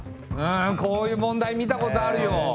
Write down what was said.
こういう問題見たことあるよ。